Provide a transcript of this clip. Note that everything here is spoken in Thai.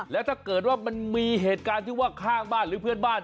แล้วถ้าเกิดว่ามันมีเหตุการณ์ที่ว่าข้างบ้านหรือเพื่อนบ้าน